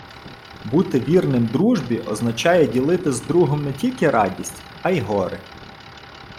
Бути вірним дружбі —означає ділити з другом не тільки радість, а й горе